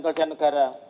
calon kepala bin